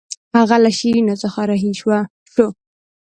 هغه له شیرینو څخه رهي شو.